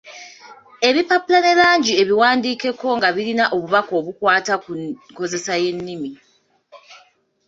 Ebipapula ne langi ebiwandiikeko nga birina obubaka obukwata ku nkozesa y’ennimi.